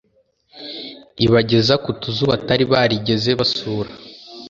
ibageza ku tuzu batari barigeze basura